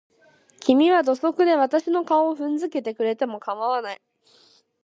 君は土足で私の顔を踏んづけてくれても構わない。